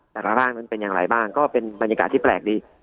ร่างนั้นเป็นอย่างไรบ้างก็เป็นบรรยากาศที่แปลกดี